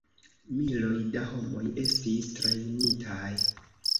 Miloj da homoj estis trejnitaj.